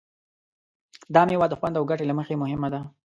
دا مېوه د خوند او ګټې له مخې مهمه ده.